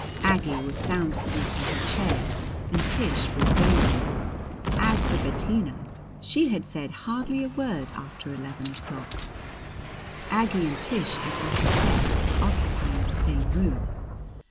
Aggie was sound asleep in her chair and Tish was dozing. As for Bettina, she had said hardly a word after eleven o'clock. Aggie and Tish, as I have said, were occupying the same room.